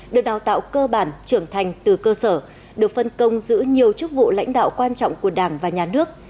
được đào tạo cơ bản trưởng thành từ cơ sở được phân công giữ nhiều chức vụ lãnh đạo quan trọng của đảng và nhà nước